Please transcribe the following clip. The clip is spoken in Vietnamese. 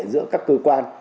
giữa các cơ quan